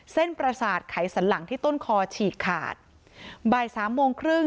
ประสาทไขสันหลังที่ต้นคอฉีกขาดบ่ายสามโมงครึ่ง